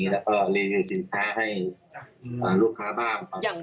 แล้วก็รีดิสินค้าให้ลูกค้าบ้าง